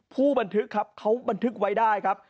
ผู้บันทึกครับเขาบันทึกไว้ได้ครับ